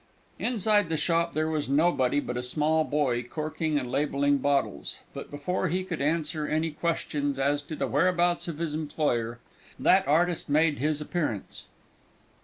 Inside the shop there was nobody but a small boy, corking and labelling bottles; but before he could answer any question as to the whereabouts of his employer, that artist made his appearance.